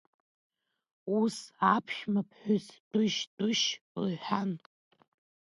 Ус, аԥшәма ԥҳәыс дәышь, дәышь лҳәан.